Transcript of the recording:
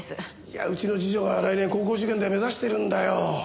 いやうちの次女が来年高校受験で目指してるんだよ。